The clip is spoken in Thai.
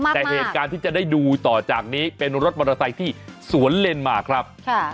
แต่เหตุการณ์ที่จะได้ดูต่อจากนี้เป็นรถมอเตอร์ไซค์ที่สวนเลนมาครับ